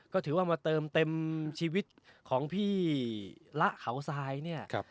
ก็ถือว่ามาเติมเต็มชีวิตของพี่ละเขาทรายเนี่ย